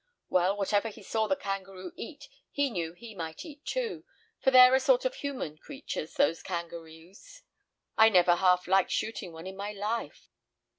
Well, whatever he saw the kangaroo eat, he knew he might eat too, for they're a sort of human creatures, those kangaroos; I never half liked shooting one in my life."